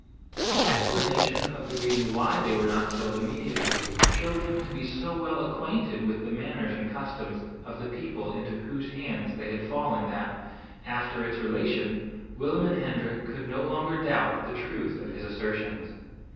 His explanation of the reason why they were not killed immediately showed him to be so well acquainted with the manners and customs of the people into whose hands they had fallen, that, after its relation, Willem and Hendrik could no longer doubt the truth of his assertions.